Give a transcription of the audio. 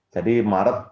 jadi maret kita